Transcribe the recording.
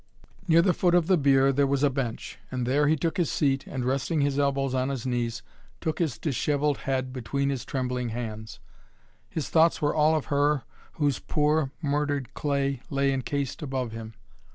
Near the foot of the bier there was a bench, and there he took his seat and, resting his elbows on his knees, took his dishevelled head between his trembling hands. His thoughts were all of her whose poor, murdered clay lay encased above him.